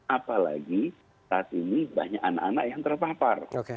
apalagi saat ini banyak anak anak yang terpapar